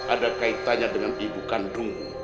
ada kaitannya dengan ibu kandung